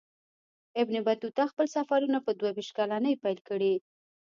ابن بطوطه خپل سفرونه په دوه ویشت کلنۍ پیل کړي.